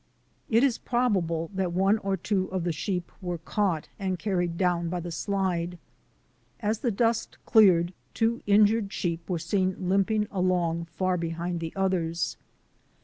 It is probable that one or two of the sheep were caught and carried down by the slide. As the dust cleared, tv/o injured sheep were seen limping along far behind the others.